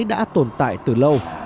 đã tồn tại từ lâu